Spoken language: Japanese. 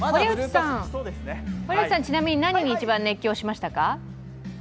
堀内さん、ちなみに何に一番熱狂しましたか？